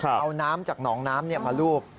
เอาน้ำจากหนองน้ำมาลูบ